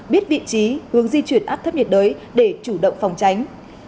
biết vị trí hướng di chuyển áp thấp nhiệt đới để chủ động phòng tránh